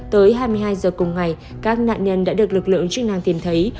tới hai mươi hai giờ cùng ngày các nạn nhân đã được lực lượng chức năng tìm thấy